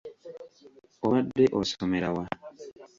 Obadde osomera wa?